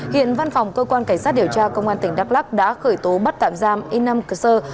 hiện văn phòng cơ quan cảnh sát điều tra công an tỉnh đắk lắc đã khởi tố bắt tạm giam inam kassar